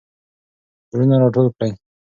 زړونه راټول کړئ.